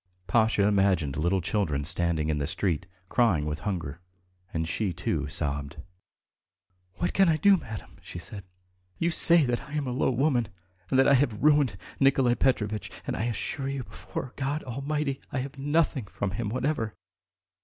Pasha imagined little children standing in the street, crying with hunger, and she, too, sobbed. "What can I do, madam?" she said. "You say that I am a low woman and that I have ruined Nikolay Petrovitch, and I assure you ... before God Almighty, I have had nothing from him whatever.